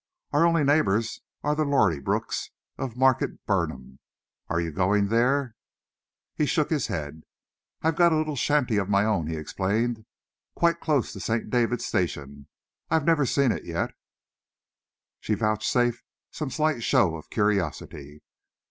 "Our only neighbours are the Lorneybrookes of Market Burnham. Are you going there?" He shook his head. "I've got a little shanty of my own," he explained, "quite close to St. David's Station. I've never even seen it yet." She vouchsafed some slight show of curiosity.